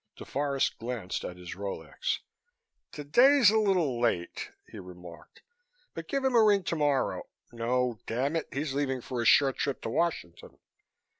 DeForest glanced at his Rolex. "Today's a little late," he remarked, "but give him a ring tomorrow. No, damn it! He's leaving for a short trip to Washington.